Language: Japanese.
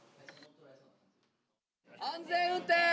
安全運転。